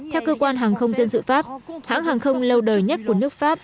theo cơ quan hàng không dân sự pháp hãng hàng không lâu đời nhất của nước pháp